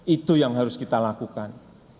itu yang harus kita lakukan